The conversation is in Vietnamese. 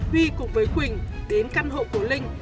huy cùng với quỳnh đến căn hộ của linh